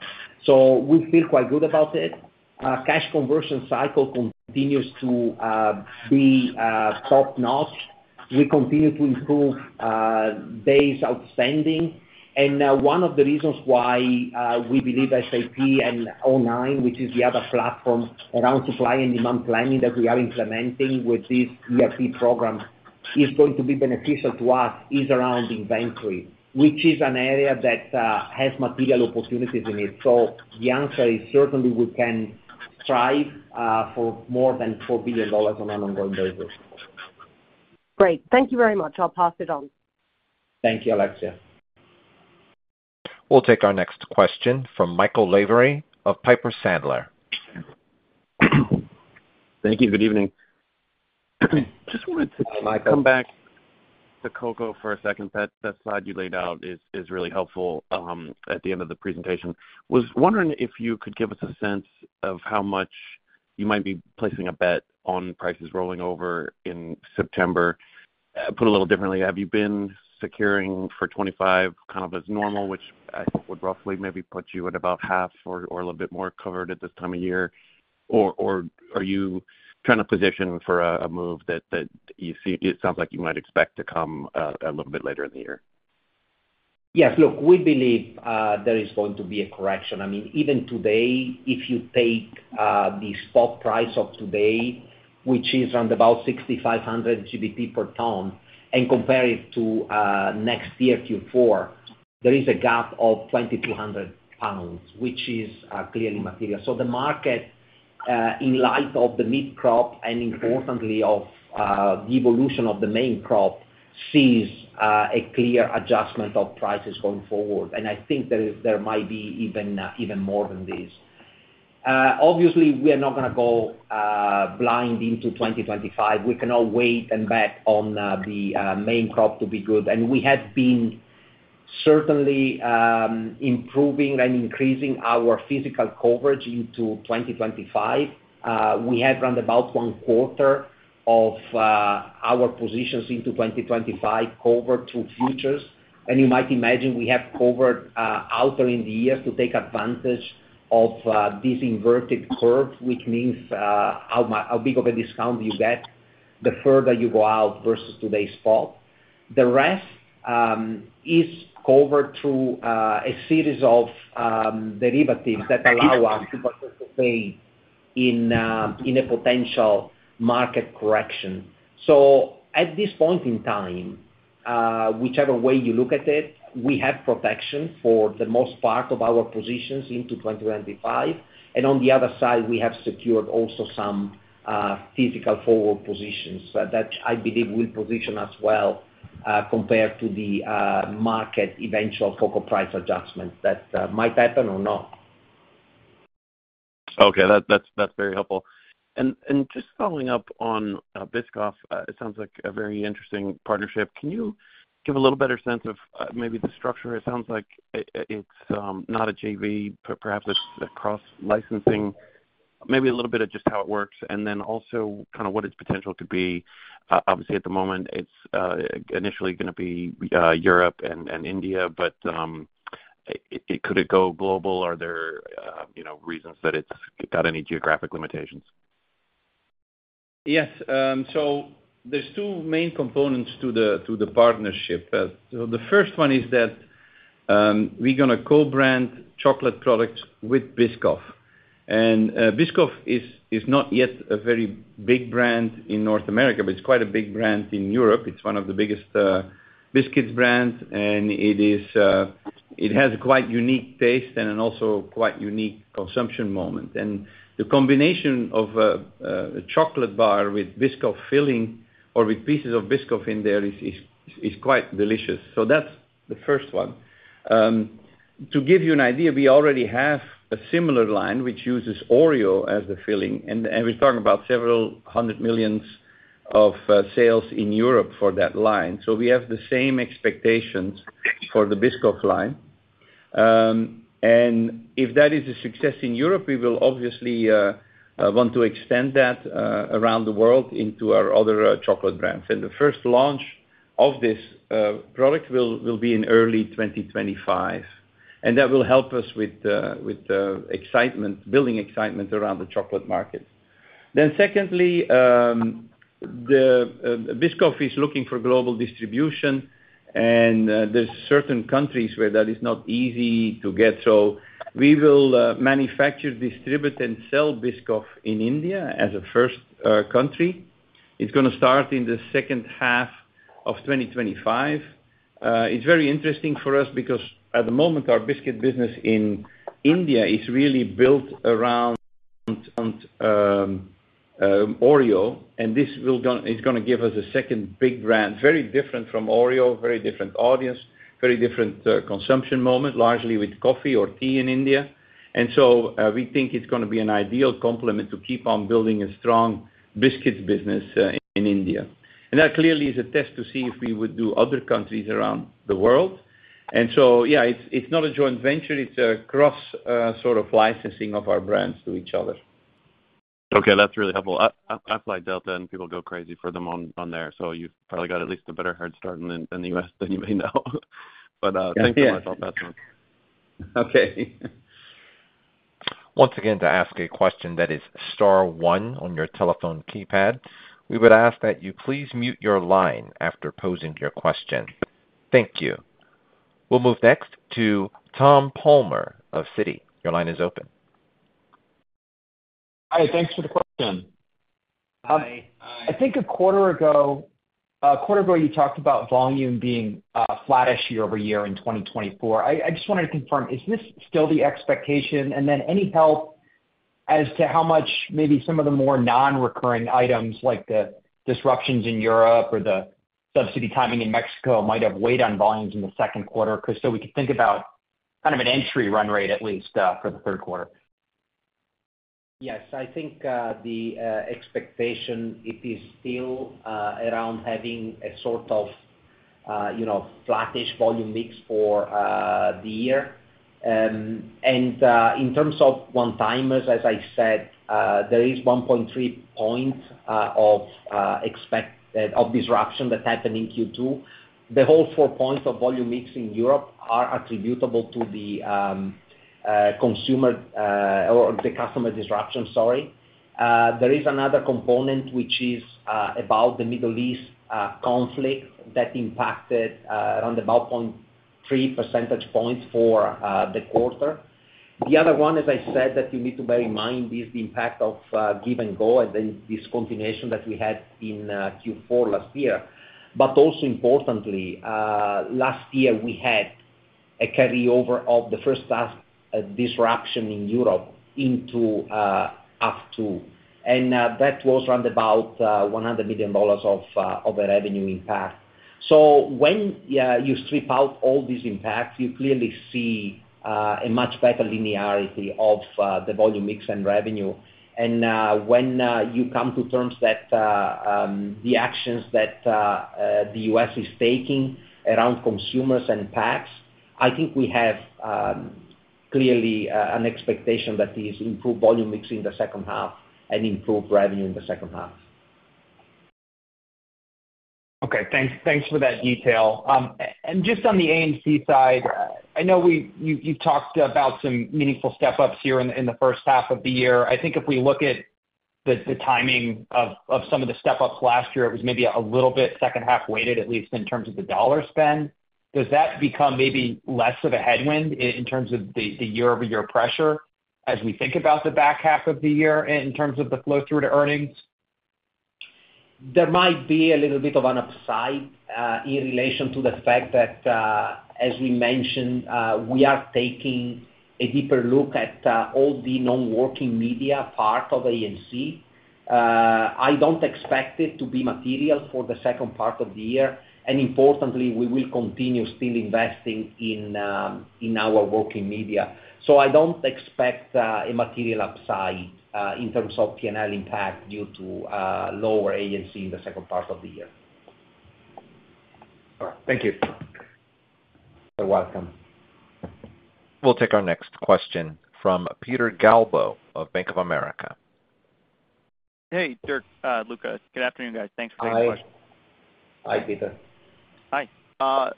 [SPEAKER 4] So we feel quite good about it. Cash conversion cycle continues to be top-notch. We continue to improve days outstanding. One of the reasons why we believe SAP and o9, which is the other platform around supply and demand planning that we are implementing with this ERP program, is going to be beneficial to us, is around inventory, which is an area that has material opportunities in it. The answer is certainly we can strive for more than $4 billion on an ongoing basis.
[SPEAKER 5] Great. Thank you very much. I'll pass it on.
[SPEAKER 4] Thank you, Alexia.
[SPEAKER 1] We'll take our next question from Michael Lavery of Piper Sandler....
[SPEAKER 7] Thank you. Good evening. Just wanted to come back to cocoa for a second. That, that slide you laid out is, is really helpful at the end of the presentation. Was wondering if you could give us a sense of how much you might be placing a bet on prices rolling over in September? Put a little differently, have you been securing for 25 kind of as normal, which I think would roughly maybe put you at about half or, or a little bit more covered at this time of year? Or, or are you trying to position for a, a move that, that you see it sounds like you might expect to come, a little bit later in the year.
[SPEAKER 4] Yes. Look, we believe, there is going to be a correction. I mean, even today, if you take, the spot price of today, which is around about 6,500 GBP per ton, and compare it to, next year, Q4, there is a gap of 2,200 pounds, which is, clearly material. So the market, in light of the mid-crop and importantly of, the evolution of the main crop, sees, a clear adjustment of prices going forward. And I think there is, there might be even, even more than this. Obviously, we are not gonna go, blind into 2025. We cannot wait and bet on, the, main crop to be good. And we have been certainly, improving and increasing our physical coverage into 2025. We have around about one quarter of our positions into 2025 covered through futures, and you might imagine we have covered out in the years to take advantage of this inverted curve, which means how big of a discount you get the further you go out versus today's spot. The rest is covered through a series of derivatives that allow us to participate in a potential market correction. So at this point in time, whichever way you look at it, we have protection for the most part of our positions into 2025, and on the other side, we have secured also some physical forward positions that I believe will position us well compared to the market eventual focal price adjustments that might happen or not.
[SPEAKER 7] Okay, that's very helpful. And just following up on Biscoff, it sounds like a very interesting partnership. Can you give a little better sense of maybe the structure? It sounds like it's not a JV, but perhaps it's a cross-licensing. Maybe a little bit of just how it works, and then also kind of what its potential could be. Obviously, at the moment, it's initially gonna be Europe and India, but could it go global? Are there, you know, reasons that it's got any geographic limitations?
[SPEAKER 3] Yes. So there's two main components to the partnership. So the first one is that we're gonna co-brand chocolate products with Biscoff. And Biscoff is not yet a very big brand in North America, but it's quite a big brand in Europe. It's one of the biggest biscuits brands, and it has a quite unique taste and also quite unique consumption moment. And the combination of a chocolate bar with Biscoff filling or with pieces of Biscoff in there is quite delicious. So that's the first one. To give you an idea, we already have a similar line, which uses Oreo as the filling, and we're talking about several 100 millions of sales in Europe for that line. So we have the same expectations for the Biscoff line. And if that is a success in Europe, we will obviously want to extend that around the world into our other chocolate brands. And the first launch of this product will be in early 2025, and that will help us with the excitement, building excitement around the chocolate market. Then secondly, Biscoff is looking for global distribution, and there's certain countries where that is not easy to get. So we will manufacture, distribute, and sell Biscoff in India as a first country. It's gonna start in the H2 of 2025. It's very interesting for us because at the moment, our biscuit business in India is really built around Oreo, and this will go... It's gonna give us a second big brand, very different from Oreo, very different audience, very different consumption moment, largely with coffee or tea in India. And so, we think it's gonna be an ideal complement to keep on building a strong biscuits business in India. And that clearly is a test to see if we would do other countries around the world. And so, yeah, it's not a joint venture, it's a cross sort of licensing of our brands to each other.
[SPEAKER 7] Okay, that's really helpful. I fly Delta, and people go crazy for them on there, so you've probably got at least a better head start in the U.S. than you may know. But, thank you very much.
[SPEAKER 3] Okay.
[SPEAKER 1] Once again, to ask a question, that is star one on your telephone keypad. We would ask that you please mute your line after posing your question. Thank you. We'll move next to Thomas Palmer of Citi. Your line is open.
[SPEAKER 8] Hi, thanks for the question. I think a quarter ago, a quarter ago, you talked about volume being flatish year-over-year in 2024. I just wanted to confirm, is this still the expectation? And then, any help as to how much maybe some of the more non-recurring items, like the disruptions in Europe or the subsidy timing in Mexico, might have weighed on volumes in the Q2, 'cause so we could think about-... kind of an entry run rate, at least, for the Q3?
[SPEAKER 4] Yes, I think the expectation it is still around having a sort of, you know, flattish volume mix for the year. And in terms of one-timers, as I said, there is 1.3 points of expected disruption that happened in Q2. The whole 4 points of volume mix in Europe are attributable to the consumer or the customer disruption, sorry. There is another component which is about the Middle East conflict that impacted around about 0.3 percentage points for the quarter. The other one, as I said, that you need to bear in mind, is the impact of Give & Go and then discontinuation that we had in Q4 last year. But also importantly, last year, we had a carryover of the H1 disruption in Europe into H2, and that was around about $100 million of a revenue impact. So when, yeah, you strip out all these impacts, you clearly see a much better linearity of the volume mix and revenue. And when you come to terms that the actions that the U.S. is taking around consumers and packs, I think we have clearly an expectation that is improved volume mix in the H2 and improved revenue in the H2.
[SPEAKER 8] Okay, thanks, thanks for that detail. And just on the AMC side, I know you talked about some meaningful step-ups here in the H1 of the year. I think if we look at the timing of some of the step-ups last year, it was maybe a little bit H2 weighted, at least in terms of the dollar spend. Does that become maybe less of a headwind in terms of the year-over-year pressure as we think about the back half of the year in terms of the flow through to earnings?
[SPEAKER 4] There might be a little bit of an upside, in relation to the fact that, as we mentioned, we are taking a deeper look at, all the non-working media part of AMC. I don't expect it to be material for the second part of the year, and importantly, we will continue still investing in, in our working media. So I don't expect, a material upside, in terms of P&L impact due to, lower AMC in the second part of the year.
[SPEAKER 8] All right. Thank you.
[SPEAKER 4] You're welcome.
[SPEAKER 1] We'll take our next question from Peter Galbo of Bank of America.
[SPEAKER 9] Hey, Dirk, Luca. Good afternoon, guys. Thanks for taking the question.
[SPEAKER 4] Hi. Hi, Peter.
[SPEAKER 9] Hi,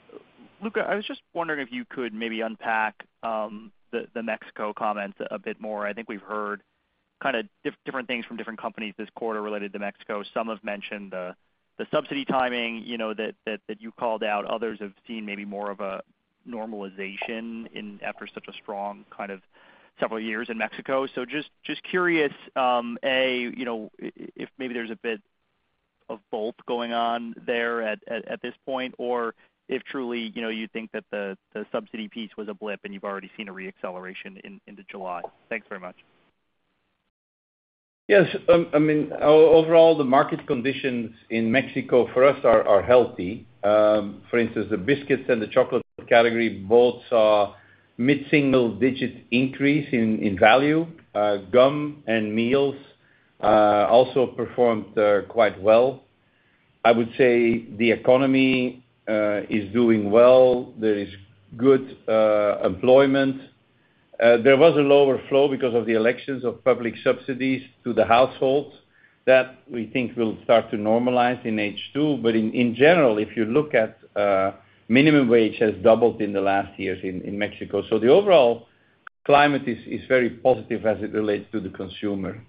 [SPEAKER 9] Luca. I was just wondering if you could maybe unpack the Mexico comments a bit more. I think we've heard kind of different things from different companies this quarter related to Mexico. Some have mentioned the subsidy timing, you know, that you called out. Others have seen maybe more of a normalization after such a strong kind of several years in Mexico. So just curious, you know, if maybe there's a bit of both going on there at this point, or if truly, you know, you think that the subsidy piece was a blip, and you've already seen a re-acceleration into July. Thanks very much.
[SPEAKER 3] Yes, I mean, overall, the market conditions in Mexico for us are healthy. For instance, the biscuits and the chocolate category both saw mid-single digit increase in value. Gum and meals also performed quite well. I would say the economy is doing well. There is good employment. There was a lower flow because of the elections of public subsidies to the households. That, we think will start to normalize in H2. But in general, if you look at, minimum wage has doubled in the last years in Mexico. So the overall climate is very positive as it relates to the consumer.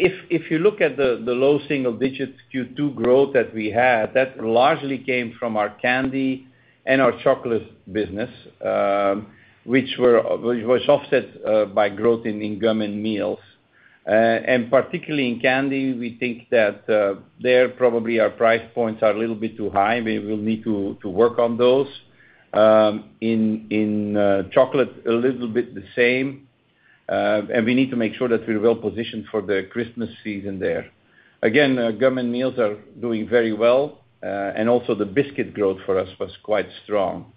[SPEAKER 3] If you look at the low single digits Q2 growth that we had, that largely came from our candy and our chocolate business, which were... Which was offset by growth in gum and meals. And particularly in candy, we think that there probably our price points are a little bit too high, and we will need to work on those. In chocolate, a little bit the same, and we need to make sure that we're well-positioned for the Christmas season there. Again, gum and meals are doing very well, and also the biscuit growth for us was quite strong.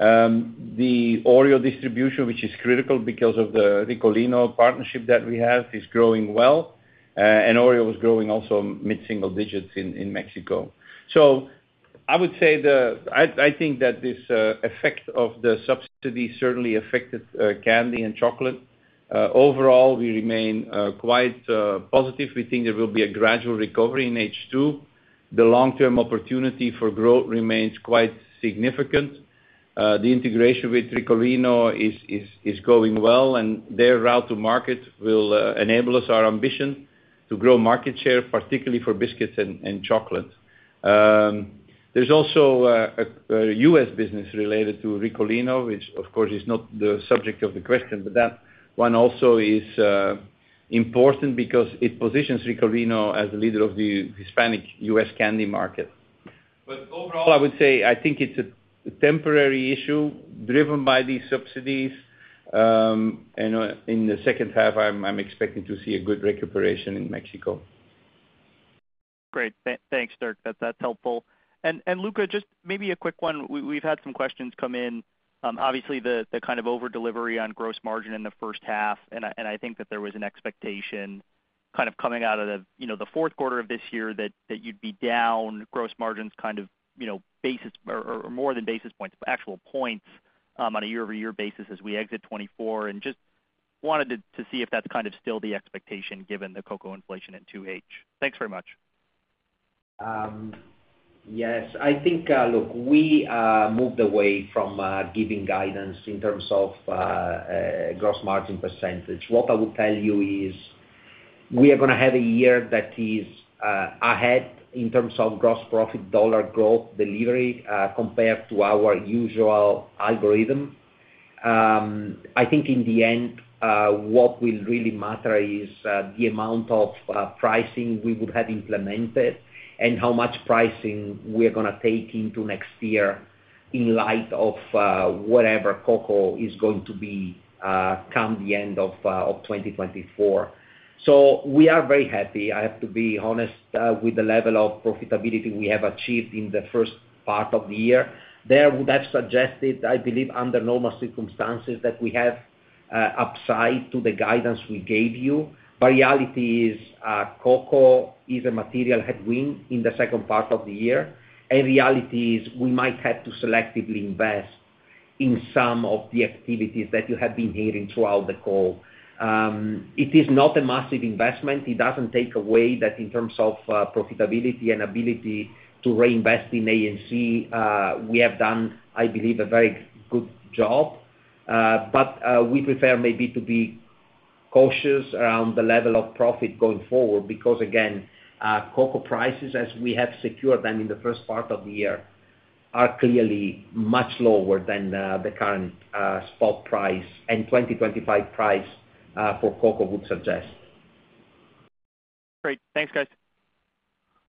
[SPEAKER 3] The Oreo distribution, which is critical because of the Ricolino partnership that we have, is growing well, and Oreo was growing also mid-single digits in Mexico. So I would say the. I think that this effect of the subsidy certainly affected candy and chocolate. Overall, we remain quite positive. We think there will be a gradual recovery in H2. The long-term opportunity for growth remains quite significant. The integration with Ricolino is going well, and their route to market will enable us our ambition to grow market share, particularly for biscuits and chocolate. There's also a U.S. business related to Ricolino, which of course is not the subject of the question, but that one also is important because it positions Ricolino as the leader of the Hispanic U.S. candy market. But overall, I would say I think it's a temporary issue driven by these subsidies, and in the H2, I'm expecting to see a good recuperation in Mexico....
[SPEAKER 9] Great. Thanks, Dirk, that's helpful. And Luca, just maybe a quick one. We've had some questions come in, obviously, the kind of over-delivery on gross margin in the H1, and I think that there was an expectation kind of coming out of, you know, the Q4 of this year, that you'd be down gross margins kind of, you know, basis or more than basis points, actual points, on a year-over-year basis as we exit 2024. And just wanted to see if that's kind of still the expectation, given the cocoa inflation in 2H. Thanks very much.
[SPEAKER 4] Yes. I think, look, we moved away from giving guidance in terms of gross margin percentage. What I would tell you is we are gonna have a year that is ahead in terms of gross profit dollar growth delivery compared to our usual algorithm. I think in the end what will really matter is the amount of pricing we would have implemented and how much pricing we are gonna take into next year in light of whatever cocoa is going to be come the end of 2024. So we are very happy, I have to be honest, with the level of profitability we have achieved in the first part of the year. That would have suggested, I believe, under normal circumstances, that we have upside to the guidance we gave you. But reality is, cocoa is a material headwind in the second part of the year, and reality is we might have to selectively invest in some of the activities that you have been hearing throughout the call. It is not a massive investment. It doesn't take away that in terms of, profitability and ability to reinvest in ANC, we have done, I believe, a very good job. But, we prefer maybe to be cautious around the level of profit going forward, because again, cocoa prices, as we have secured them in the first part of the year, are clearly much lower than, the current, spot price, and 2025 price, for cocoa would suggest.
[SPEAKER 9] Great. Thanks, guys.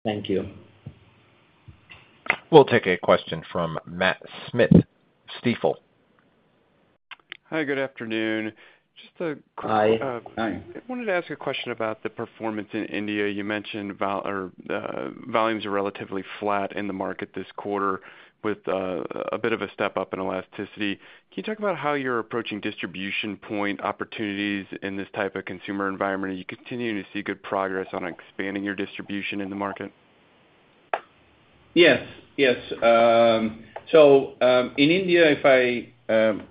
[SPEAKER 4] Thank you.
[SPEAKER 1] We'll take a question from Matthew Smith, Stifel.
[SPEAKER 10] Hi, good afternoon.
[SPEAKER 3] Hi, hi.
[SPEAKER 10] I wanted to ask a question about the performance in India. You mentioned volumes are relatively flat in the market this quarter, with a bit of a step up in elasticity. Can you talk about how you're approaching distribution point opportunities in this type of consumer environment? Are you continuing to see good progress on expanding your distribution in the market?
[SPEAKER 3] Yes, yes. So, in India, if I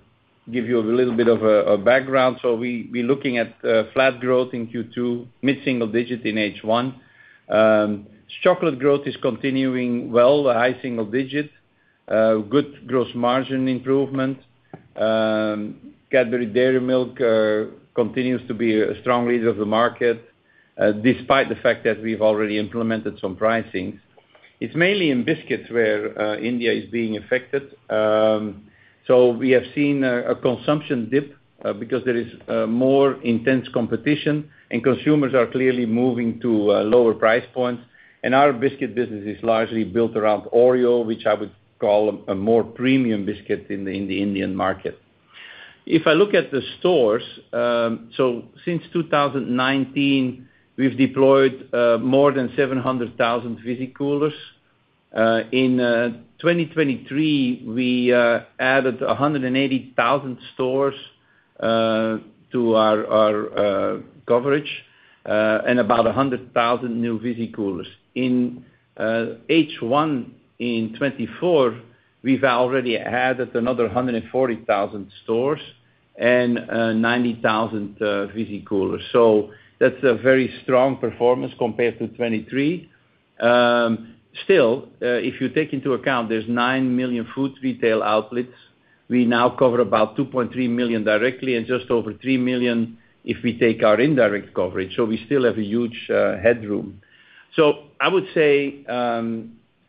[SPEAKER 3] give you a little bit of a background, so we're looking at flat growth in Q2, mid-single digit in H1. Chocolate growth is continuing well, high single digit, good gross margin improvement. Cadbury Dairy Milk continues to be a strong leader of the market, despite the fact that we've already implemented some pricing. It's mainly in biscuits where India is being affected. So we have seen a consumption dip, because there is more intense competition, and consumers are clearly moving to lower price points. And our biscuit business is largely built around Oreo, which I would call a more premium biscuit in the Indian market. If I look at the stores, so since 2019, we've deployed more than 700,000 Visicoolers. In 2023, we added 180,000 stores to our coverage, and about 100,000 new Visicoolers. In H1 in 2024, we've already added another 140,000 stores and 90,000 Visicoolers. So that's a very strong performance compared to 2023. Still, if you take into account, there's 9 million food retail outlets. We now cover about 2.3 million directly, and just over 3 million if we take our indirect coverage, so we still have a huge headroom. So I would say,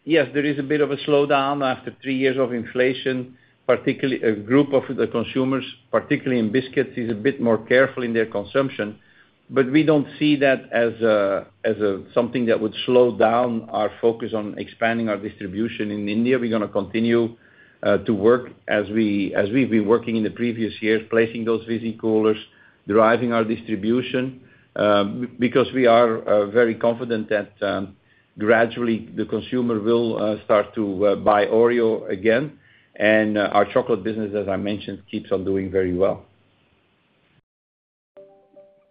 [SPEAKER 3] yes, there is a bit of a slowdown after three years of inflation, particularly a group of the consumers, particularly in biscuits, is a bit more careful in their consumption. But we don't see that as something that would slow down our focus on expanding our distribution in India. We're gonna continue to work as we've been working in the previous years, placing those Visicoolers, driving our distribution, because we are very confident that gradually the consumer will start to buy Oreo again. And our chocolate business, as I mentioned, keeps on doing very well.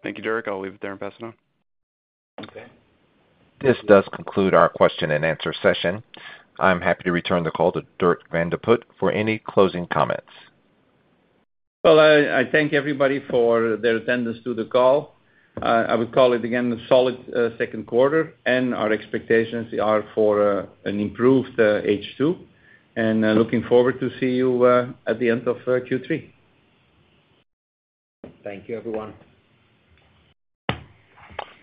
[SPEAKER 10] Thank you, Dirk. I'll leave it there and pass it on.
[SPEAKER 1] Okay. This does conclude our question and answer session. I'm happy to return the call to Dirk Van de Put for any closing comments.
[SPEAKER 3] Well, I thank everybody for their attendance to the call. I would call it again a solid Q2, and our expectations are for an improved H2, and looking forward to see you at the end of Q3.
[SPEAKER 4] Thank you, everyone.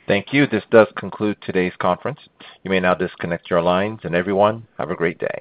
[SPEAKER 1] Thank you. This does conclude today's conference. You may now disconnect your lines, and everyone, have a great day.